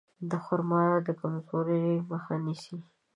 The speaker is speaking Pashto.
خرما د کمزورۍ مخه نیسي.